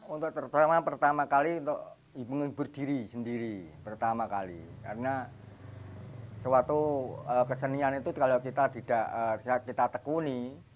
untuk pertama kali untuk hibur diri sendiri karena suatu kesenian itu kalau kita tidak tekuni